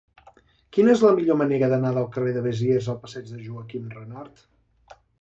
Quina és la millor manera d'anar del carrer de Besiers al passeig de Joaquim Renart?